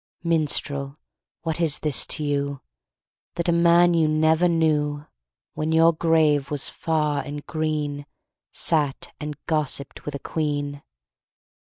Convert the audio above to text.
Minstrel, what is this to you: That a man you never knew, When your grave was far and green, Sat and gossipped with a queen?